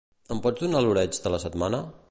Em pots donar l'oreig de la setmana?